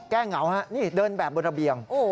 เหงาฮะนี่เดินแบบบนระเบียง